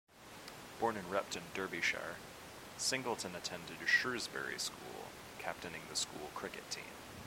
Born in Repton, Derbyshire, Singleton attended Shrewsbury School, captaining the school cricket team.